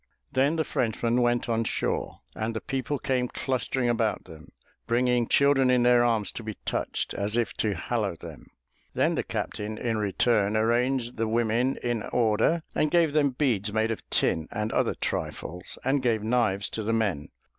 Then the Frenchmen went on shore, and the people came clustering about them, bringing children in their arms to be touched, as if to hallow them. Then the captain in return arranged the women in order and gave them beads made of tin, and other trifles, and gave knives to the men.